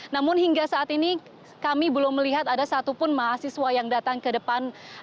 namun hingga saat ini kami belum melihat ada satupun mahasiswa yang datang ke depan